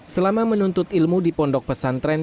selama menuntut ilmu di pondok pesantren